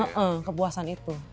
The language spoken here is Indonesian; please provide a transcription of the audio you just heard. iya kepuasan itu